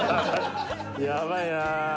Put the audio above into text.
「やばいな」